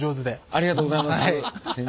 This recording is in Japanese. ありがとうございます。